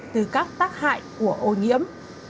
từ các tác hại của ô nhiễm